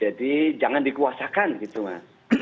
jadi jangan dikuasakan gitu mas